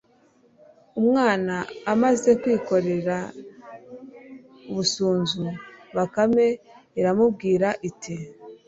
umwana amaze kwikorera busunzu, bakame iramubwira iti